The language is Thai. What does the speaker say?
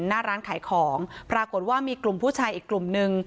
หน้าร้านขายของปรากฏว่ามีกลุ่มผู้ชายอีกกลุ่มนึง